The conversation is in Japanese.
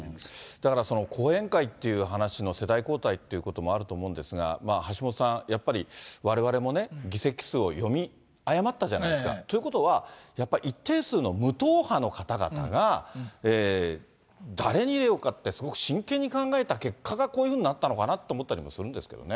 だからその、後援会という話の世代交代っていうこともあると思うんですが、橋下さん、やっぱりわれわれもね、議席数を読み誤ったじゃないですか、ということは、やっぱり一定数の無党派の方々が、誰に入れようかって、すごく真剣に考えた結果が、こういうふうになったのかなと思ったりもするんですけどね。